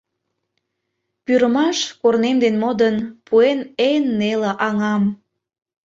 Пӱрымаш, корнем ден модын, Пуэн эн неле аҥам.